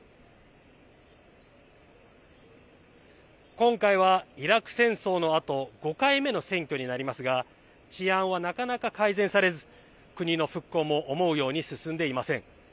今回はイラク戦争のあと５回目の選挙になりますが治安はなかなか改善されず国の復興も思うように進んでいません。